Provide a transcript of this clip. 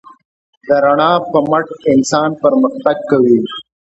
د رڼا په مټ انسان پرمختګ کوي.